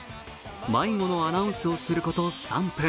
迷子のアナウンスをすること３分。